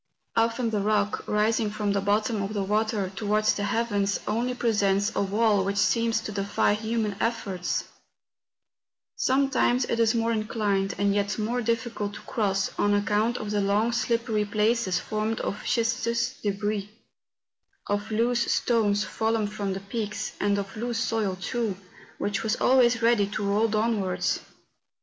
Often the rock, rising from the bottom of the water towards the heavens, only presents a wall which seems to defy human efforts ; sometimes it is more inclined, and yet more difficult to cross, on account of the long slippery places formed of schistose debris^ of loose stones fallen from the peaks, and of loose soil, too, which was always ready to roll downwards.